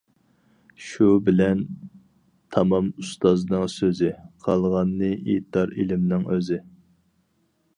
شۇ بىلەن تامام ئۇستازنىڭ سۆزى، قالغاننى ئېيتار ئىلىمنىڭ ئۆزى.